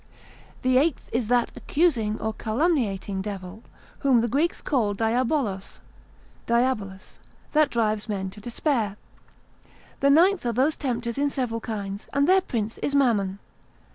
The eighth is that accusing or calumniating devil, whom the Greeks call Διαβολος, that drives men to despair. The ninth are those tempters in several kinds, and their prince is Mammon.